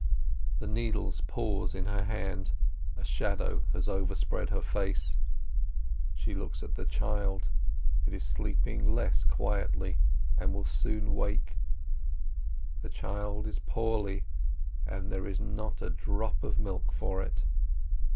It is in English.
The needles pause in her hand, a shadow has overspread her face. She looks at the child, it is sleeping less quietly, and will soon wake. The child is poorly, and there is not a drop of milk for it.